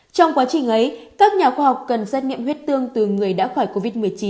trong quá trình ấy các nhà khoa học cần xét nghiệm huyết tương từ người đã khỏi covid một mươi chín